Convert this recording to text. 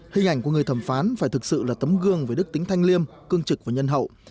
hình ảnh của người thẩm phán phải thực sự là tấm gương về đức tính thanh liêm cương trực và nhân hậu